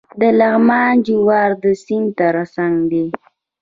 د لغمان جوار د سیند ترڅنګ دي.